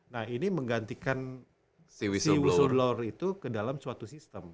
nah ini menggantikan si whistleblower itu ke dalam suatu sistem